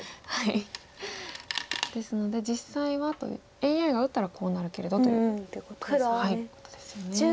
ですので実際はＡＩが打ったらこうなるけれどということですよね。